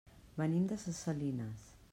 Venim de ses Salines.